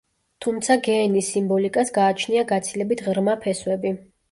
თუმცა გეენის სიმბოლიკას გააჩნია გაცილებით ღრმა ფესვები.